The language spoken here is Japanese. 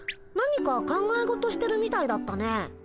何か考え事してるみたいだったね。